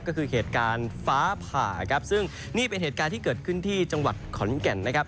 ก็คือเหตุการณ์ฟ้าผ่าครับซึ่งนี่เป็นเหตุการณ์ที่เกิดขึ้นที่จังหวัดขอนแก่นนะครับ